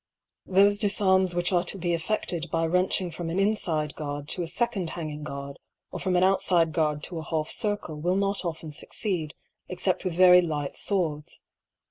Thole difarms which kve to be effeded by wrenching from an infide guard to a feconde hanging guard, or from an outiide guard to a half circle will not often fucceed, except with very light fwords.